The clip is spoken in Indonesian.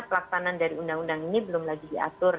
pelaksanaan dari undang undang ini belum lagi diatur